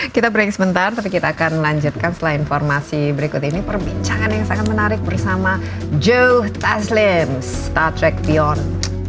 kita break sebentar tapi kita akan melanjutkan setelah informasi berikut ini perbincangan yang sangat menarik bersama joe taslim star trek beyond